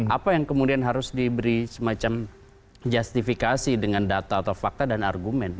apa yang kemudian harus diberi semacam justifikasi dengan data atau fakta dan argumen